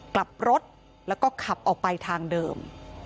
กลับรถแล้วก็ขับออกไปทางเดิม